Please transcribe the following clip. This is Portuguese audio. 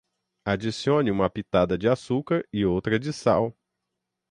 Adicione uma pitada de açúcar e outra de sal.